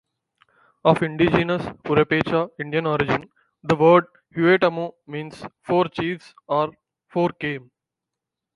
Of indigenous Purepecha Indian origin, the word "Huetamo" means "four chiefs" or "four came".